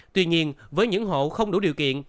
tuy nhiên với những hộ không đủ điều kiện